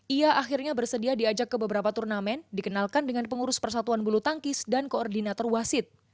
ia akhirnya bersedia diajak ke beberapa turnamen dikenalkan dengan pengurus persatuan bulu tangkis dan koordinator wasit